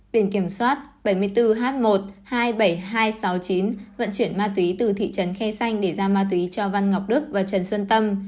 biển kiểm soát bảy mươi bốn h một hai mươi bảy nghìn hai trăm sáu mươi chín vận chuyển ma túy từ thị trấn khe xanh để giao ma túy cho văn ngọc đức và trần xuân tâm